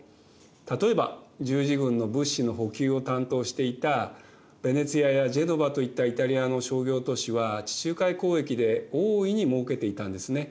例えば十字軍の物資の補給を担当していたヴェネツィアやジェノヴァといったイタリアの商業都市は地中海交易で大いにもうけていたんですね。